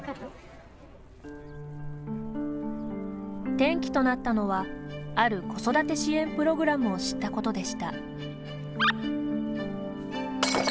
転機となったのはある子育て支援プログラムを知ったことでした。